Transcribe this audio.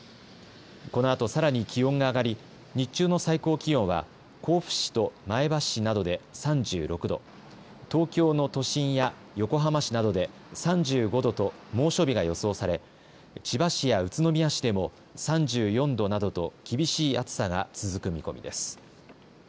このあとさらに気温が上がり日中の最高気温は甲府市と前橋市などで３６度、東京の都心や横浜市などで３５度と猛暑日が予想され千葉市や宇都宮市でも３４度などと厳しい暑さが続く見込みです。